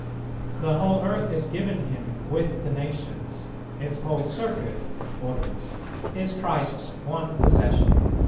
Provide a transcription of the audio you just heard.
The whole earth is given Him with the nations; its whole circuit (orbis) is Christ's one possession."